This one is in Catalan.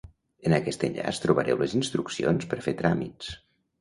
En aquest enllaç trobareu les instruccions per fer tràmits.